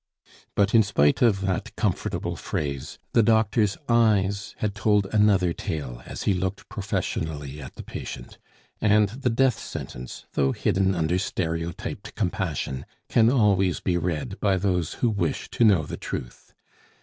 But in spite of that comfortable phrase, the doctor's eyes had told another tale as he looked professionally at the patient; and the death sentence, though hidden under stereotyped compassion, can always be read by those who wish to know the truth.